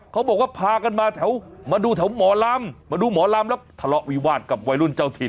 เขาบอกว่าพากันมาแถวมาดูแถวหมอลำมาดูหมอลำแล้วทะเลาะวิวาสกับวัยรุ่นเจ้าถิ่น